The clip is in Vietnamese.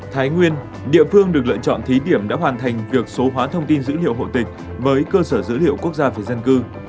thái nguyên địa phương được lựa chọn thí điểm đã hoàn thành việc số hóa thông tin dữ liệu hồ tịch với cơ sở dữ liệu quốc gia về dân cư